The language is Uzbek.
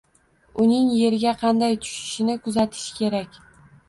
Uning yerga qanday tushishini kuzatish kerak